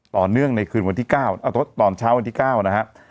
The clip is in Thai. ต่อเนื่องในคืนวันที่๙ตอนเช้าวันที่๙นะครับ